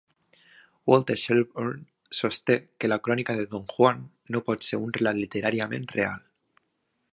Walter Shelburne sosté que la crònica de Don Juan no pot ser un relat literàriament real.